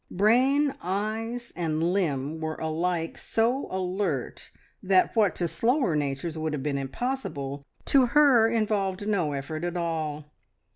Brain, eyes, and limb were alike so alert that what to slower natures would have been impossible, to her involved no effort at all.